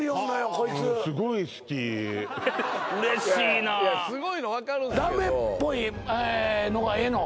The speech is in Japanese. こいつすごい好き嬉しいなすごいの分かるんすけどダメっぽいのがええの？